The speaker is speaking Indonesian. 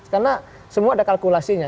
karena semua ada kalkulasinya